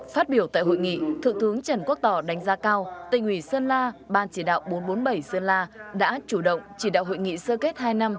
phát biểu tại hội nghị thượng tướng trần quốc tỏ đánh giá cao tỉnh ủy sơn la ban chỉ đạo bốn trăm bốn mươi bảy sơn la đã chủ động chỉ đạo hội nghị sơ kết hai năm